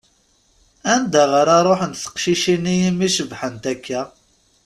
Anda ara ṛuḥent teqcicin-nni i mi cebbḥent akka?